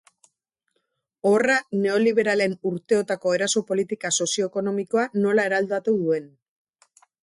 Horra neoliberalen urteotako erasoak politika sozio-ekonomikoa nola eraldatu duen.